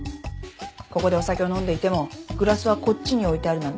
ここでお酒を飲んでいてもグラスはこっちに置いてあるなんてことはあって当然。